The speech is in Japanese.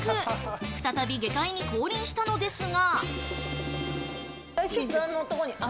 再び下界に降臨したのですが。